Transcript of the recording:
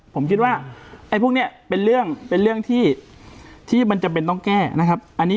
ผมคิดว่าไอ้พวกนี้เป็นเรื่องเป็นเรื่องที่มันจำเป็นต้องแก้นะครับ